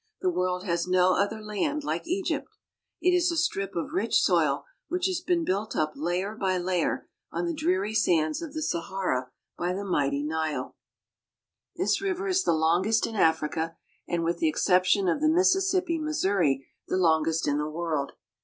The world has no other land like Egypt, strip of rich soil, which has been built up layer by m the dreary sands of the Sahara by the mighty _ ^^H exec AFRICA This river is the longest in Africa, and with th^ exception of the Mississippi Missouri the longest i world.